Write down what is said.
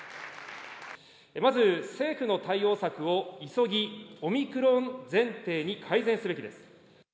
まず政府の対応策を急ぎ、オミクロン前提に改善すべきです。